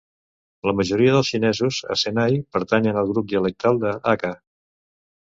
La majoria dels xinesos a Senai pertanyen al grup dialectal de haka.